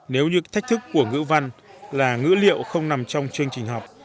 nếu như thách thức của ngữ văn là ngữ liệu không nằm trong chương trình học